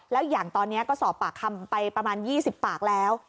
แล้วอย่างตอนนี้ก็สอบปากคำไปประมาณ๒๐ปากแล้ว